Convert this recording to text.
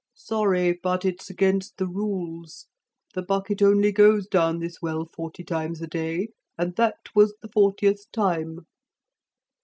'Sorry, but it's against the rules. The bucket only goes down this well forty times a day. And that was the fortieth time.'